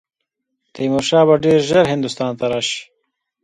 تیمور شاه به ډېر ژر هندوستان ته راشي.